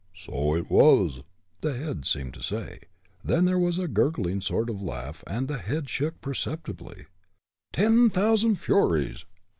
"So it was!" the head seemed to say; then there was a gurgling sort of laugh, and the head shook, perceptibly. "Ten thousand furies!"